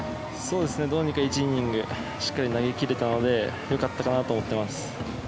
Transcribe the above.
どうにか１イニングしっかり投げ切れたのでよかったかなと思っています。